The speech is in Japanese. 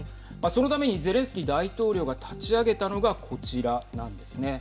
そのためにゼレンスキー大統領が立ち上げたのがこちらなんですね。